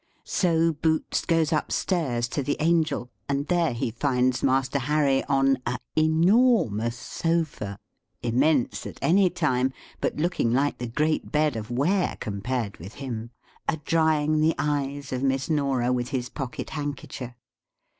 So Boots goes up stairs to the Angel, and there he finds Master Harry on a e normous sofa, immense at any time, but looking like the Great Bed of Ware, compared with him, a drying the eyes of Miss Norah with his pocket hankecher.